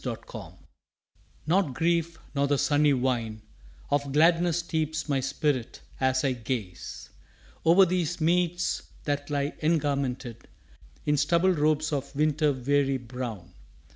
UNBURTHENED Not grief nor the sunny wine Of gladness steeps my spirit as I gaze Over these meads that lie engarmented In stubble robes of winter weary brown.